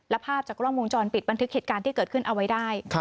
และภาพจากกล้องวงจรปิดบันทึกเหตุการณ์ที่เกิดขึ้นเอาไว้ได้